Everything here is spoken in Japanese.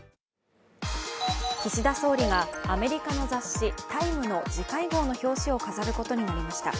岸田総理がアメリカの雑誌「ＴＩＭＥ」の次回号の表紙を飾ることになりました。